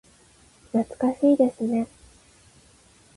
懐かしいですね。